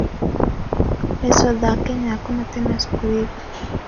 Leso dha Kenya hakuna tena siku hidhi